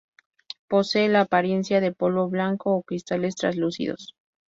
Posee la apariencia de polvo blanco o cristales translúcidos.